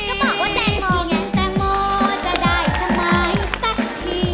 อย่างงั้นแต่งโมจะได้ทำไมสักที